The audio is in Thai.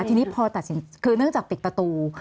ทีนี้พอตัดสินคือเนื่องจากปิดประตู